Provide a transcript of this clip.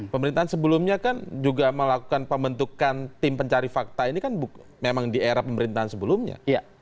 pemerintahan sebelumnya kan juga melakukan pembentukan tim pencari fakta ini kan memang di era pemerintahan sebelumnya